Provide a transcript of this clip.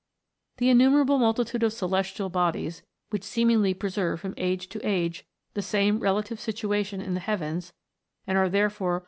The innumerable multitude of celestial bodies, which seemingly preserve from age to age the same relative situation in the heavens, and are therefore A FLIGHT THROUGH SPACE.